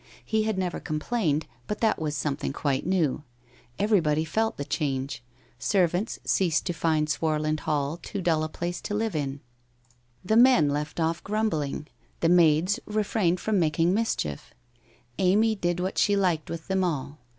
He had never complained, but that was some thing quite new. Everybody felt the change. Servants ceased to find Swarland Hall too dull a place to live in; 65 5 66 WHITE ROSE OF WEARY LEAF the men left off grumbling, the maids refrained from making mischief. Amy did what she liked with them all.